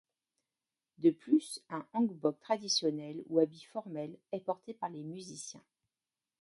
De plus, un hanbok traditionnel ou un habit formel est porté par les musiciens.